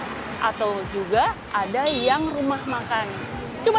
makanan yang paling enak jadi cepat habis juga